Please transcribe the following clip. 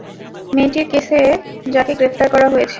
মেয়েটির কেসে যাকে গ্রেফতার করা হয়েছে?